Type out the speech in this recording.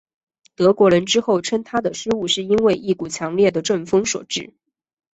德国人之后称他的失误是因为一股强烈的阵风所致。